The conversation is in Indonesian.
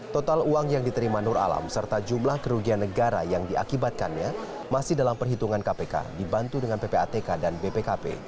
total uang yang diterima nur alam serta jumlah kerugian negara yang diakibatkannya masih dalam perhitungan kpk dibantu dengan ppatk dan bpkp